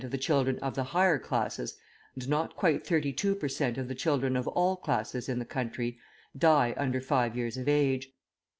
of the children of the higher classes, and not quite thirty two per cent. of the children of all classes in the country die under five years of age.